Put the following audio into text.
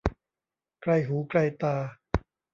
ไกลหูไกลตา